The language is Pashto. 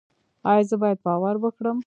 ایا زه باید باور وکړم؟